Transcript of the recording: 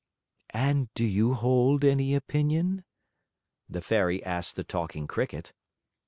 "And do you hold any opinion?" the Fairy asked the Talking Cricket.